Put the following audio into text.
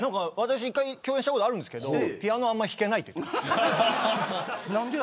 １回、共演したことあるんですけどピアノあんまり引けないらしいです。